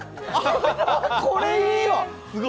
これいいわ！